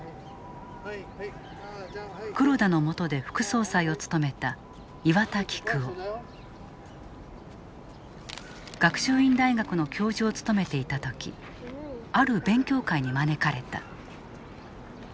黒田のもとで副総裁を務めた学習院大学の教授を務めていた時ある勉強会に招かれた。